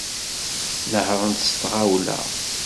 Nehhṛent s tɣawla.